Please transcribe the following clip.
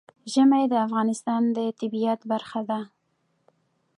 ژمی د افغانستان د طبیعت برخه ده.